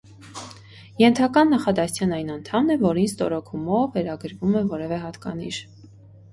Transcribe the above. Ենթական նախադասության այն անդամն է, որին ստորոգումով վերագրվում է որևէ հատկանիշ։